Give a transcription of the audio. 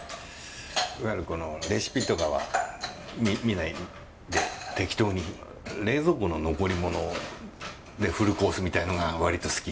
いわゆるこのレシピとかは見ないで適当に冷蔵庫の残り物でフルコースみたいのが割と好き。